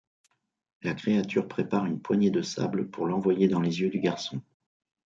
La créature prépare une poignée de sable pour l'envoyer dans les yeux du garçon.